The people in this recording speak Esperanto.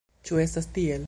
Ĉu estas tiel?